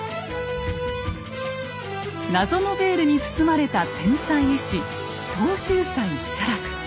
謎のベールに包まれた天才絵師東洲斎写楽。